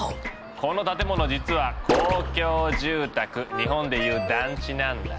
この建物実は公共住宅日本で言う団地なんだ。